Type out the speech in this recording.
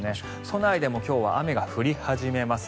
都内でも今日は雨が降り始めます。